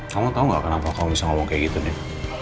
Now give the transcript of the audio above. kamu tau gak kenapa kamu bisa ngomong kayak gitu deh